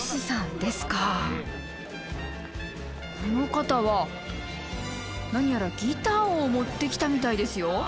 この方は何やらギターを持ってきたみたいですよ。